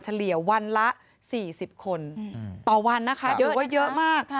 เฉลี่ยวันละ๔๐คนต่อวันนะคะเยอะว่าเยอะมาก